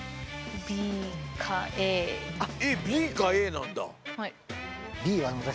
はい。